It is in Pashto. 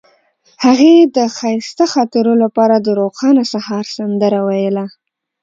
هغې د ښایسته خاطرو لپاره د روښانه سهار سندره ویله.